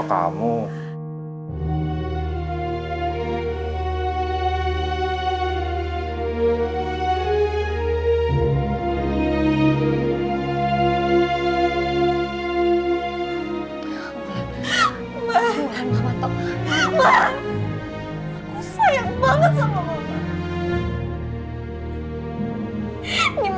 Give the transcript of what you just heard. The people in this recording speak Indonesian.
atau itu anak om ini